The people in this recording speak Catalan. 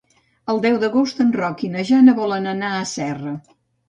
El deu d'agost en Roc i na Jana volen anar a Serra.